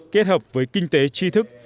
kết hợp với kinh tế tri thức